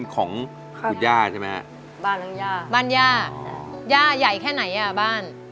ครับคุณย่าใช่ไหมบ้านย่าบ้านย่าอ๋อย่าใหญ่แค่ไหนอ่ะบ้าน